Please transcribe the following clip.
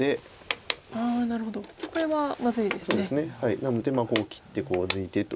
なのでこう切ってこう抜いてと。